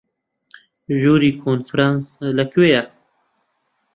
ژووری کۆنفرانس لەکوێیە؟